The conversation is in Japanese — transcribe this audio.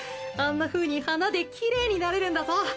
あんなふうに花できれいになれるんだぞ。